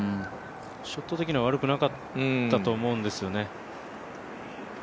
ショット的には悪くなかったと思うんですよね。